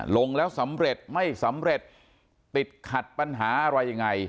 ลงแล้วสำเร็จไม่สำเร็จติดขัดปัญหาอะไรยังไง